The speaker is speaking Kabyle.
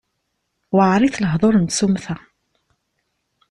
Weɛrit lehdur n tsumta.